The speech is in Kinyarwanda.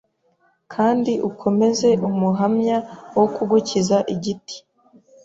kandi ukomeze umuhamya wo kugukiza igiti. ”